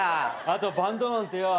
あとバンドマンってよ